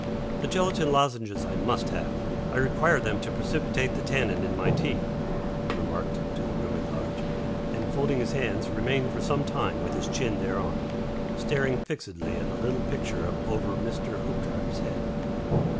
"The gelatine lozenges I must have. I require them to precipitate the tannin in my tea," he remarked to the room at large, and folding his hands, remained for some time with his chin thereon, staring fixedly at a little picture over Mr. Hoopdriver's head.